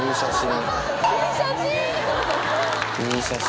いい写真。